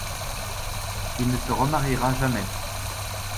Il ne se remariera jamais.